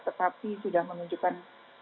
tetapi sudah menunjukkan